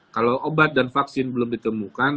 kalau obat dan vaksin belum ditemukan